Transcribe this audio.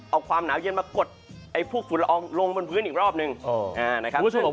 เอาความหนาวเย็นมากดไอ้ผู้ฝุ่นร้องลงบนพื้นอีกรอบหนึ่งนะครับ